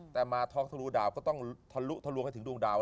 แต่มาท็อกทะลุดาวก็ต้องทะลุทะลวงให้ถึงดวงดาว